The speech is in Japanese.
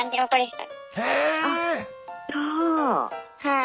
はい。